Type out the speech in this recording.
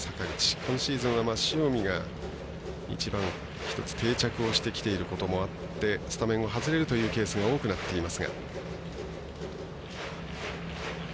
今シーズンは塩見が１番定着してきていることもあってスタメンを外れるというケースが多くなっていますが。